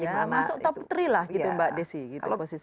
masuk top tiga lah gitu mbak desy gitu posisinya